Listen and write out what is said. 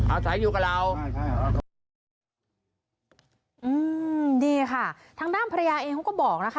อาศัยอยู่กับเราอืมนี่ค่ะทางด้านภรรยาเองเขาก็บอกนะคะ